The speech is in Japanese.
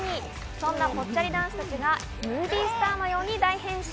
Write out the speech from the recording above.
そんなぽっちゃり男子たちがムービースターのように大変身！